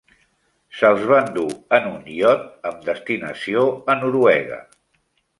Se'ls va endur en un iot amb destinació a Noruega.